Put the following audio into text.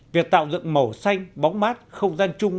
việc tạo dựng màu xanh bóng mát không gian chung